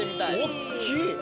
おっきい。